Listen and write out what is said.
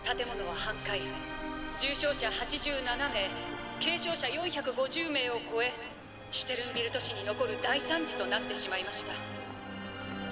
重傷者８７名軽傷者４５０名を超えシュテルンビルト史に残る大惨事となってしまいました」。